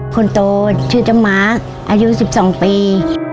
คนโตชื่อเจ้าหมาอายุ๑๒ปี